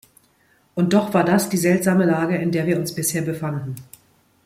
Und doch war das die seltsame Lage, in der wir uns bisher befanden.